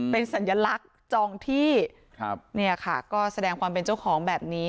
เป็นสัญลักษณ์จองที่เนี่ยค่ะก็แสดงความเป็นเจ้าของแบบนี้